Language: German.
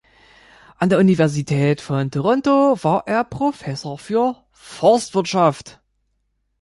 An der Universität von Toronto war er Professor für Forstwirtschaft.